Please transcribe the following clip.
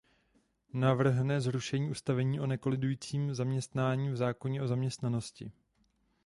Navrhne zrušení ustanovení o nekolidujícím zaměstnání v zákoně o zaměstnanosti.